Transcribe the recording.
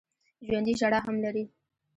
ژوندي ژړا هم لري